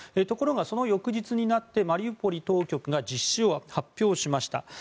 ところがその翌日になってマリウポリ当局が実施を発表しました。